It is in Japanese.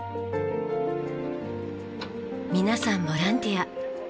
皆さんボランティア。